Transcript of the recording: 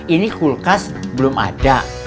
ini kulkas belum ada